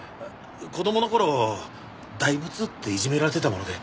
子供の頃「大仏」っていじめられてたもので。